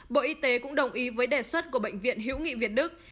bộ y tế cũng đồng ý với đề xuất của bệnh viện hữu nghị việt đức